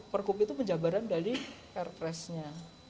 pergub itu penjabaran dari air fresnya